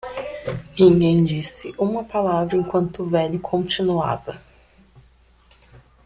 Ninguém disse uma palavra enquanto o velho continuava.